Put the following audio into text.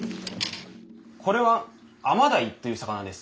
これは甘ダイという魚です。